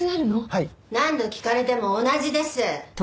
何度聞かれても同じです。